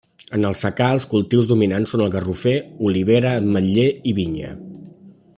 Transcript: En el secà els cultius dominants són el garrofer, olivera, ametller i vinya.